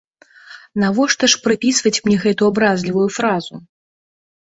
Навошта ж прыпісваць мне гэту абразлівую фразу?